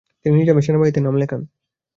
তিনি নিজামের সেনাবাহিনীতে নাম লেখান।